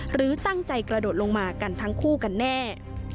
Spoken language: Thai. หรือตั้งใจกระโดดลงมากันทั้งคู่กันแน่